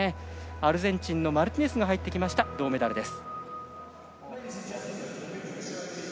アルゼンチンのマルティネスが入って銅メダルです。